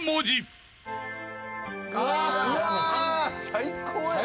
最高やん。